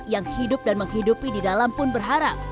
yang hidup dan menghidupi di dalam pun berharap